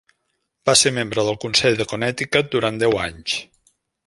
Va ser membre del Consell de Connecticut durant deu anys.